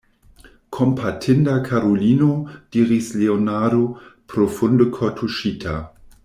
Kompatinda karulino, diris Leonardo, profunde kortuŝita.